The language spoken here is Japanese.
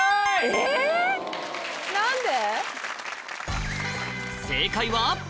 えぇ何で？